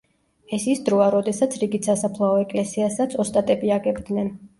ეს ის დროა, როდესაც რიგით სასაფლაო ეკლესიასაც ოსტატები აგებდნენ.